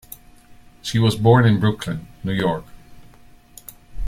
She was born in Brooklyn, New York.